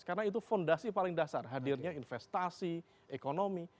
karena itu fondasi paling dasar hadirnya investasi ekonomi